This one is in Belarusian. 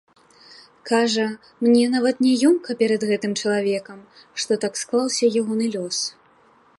Кажа, мне нават няёмка перад гэтым чалавекам, што так склаўся ягоны лёс.